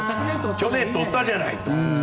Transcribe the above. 去年取ったじゃないと。